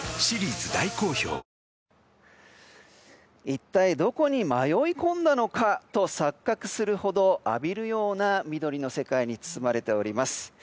一体どこに迷い込んだのかと錯覚するほど浴びるような緑の世界に包まれております。